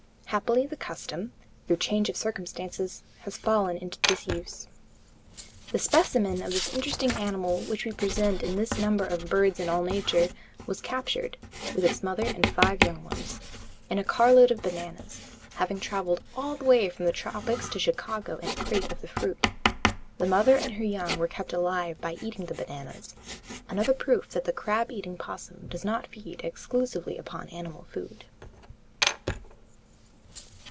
Happily the custom, through change of circumstances, has fallen into disuse. The specimen of this interesting animal which we present in this number of BIRDS AND ALL NATURE was captured, with its mother and five young ones, in a car load of bananas, having traveled all the way from the tropics to Chicago in a crate of the fruit. The mother and young were kept alive by eating the bananas, another proof that the crab eating opossum does not feed exclusively upon animal food.